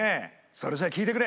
それじゃ聴いてくれ！